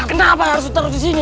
kenapa harus taruh disini